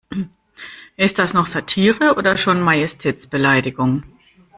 Ist das noch Satire oder schon Majestätsbeleidigung?